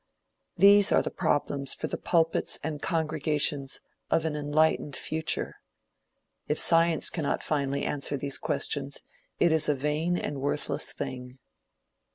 These are the problems for the pulpits and congregations of an enlightened future. If Science cannot finally answer these questions, it is a vain and worthless thing.